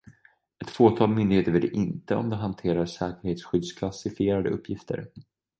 Ett fåtal myndigheter vet inte om de hanterar säkerhetsskyddsklassificerade uppgifter.